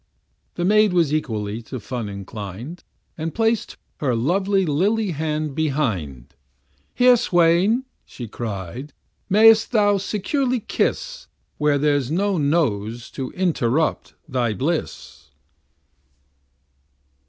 The maid was equally to fun inclin'd, And plac'd her lovely lily hand behind; Here, swain, she cry'd, may'st thou securely kiss, Where there's no nose to interrupt thy bliss.